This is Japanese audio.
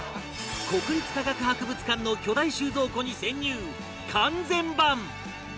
国立科学博物館の巨大収蔵庫に潜入完全版！